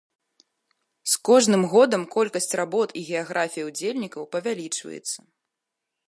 З кожным годам колькасць работ і геаграфія ўдзельнікаў павялічваецца.